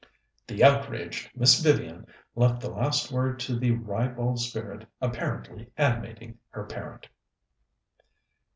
The outraged Miss Vivian left the last word to the ribald spirit apparently animating her parent.